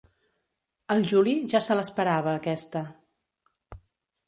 El Juli ja se l'esperava, aquesta.